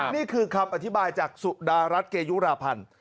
นี่คือคำอธิบายจากสุดารัฐเกยุราพันธ์